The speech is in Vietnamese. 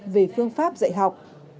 về phương pháp dạy học